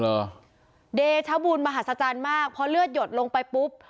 เหรอเดชบุญมหาศจรรย์มากพอเลือดหยดลงไปปุ๊บ